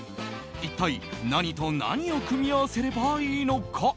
一体、何と何を組み合わせればいいのか。